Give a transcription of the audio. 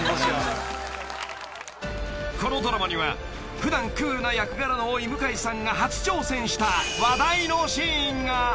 ［このドラマには普段クールな役柄の多い向井さんが初挑戦した話題のシーンが］